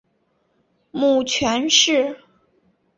母权氏。